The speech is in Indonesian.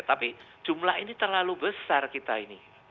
tapi jumlah ini terlalu besar kita ini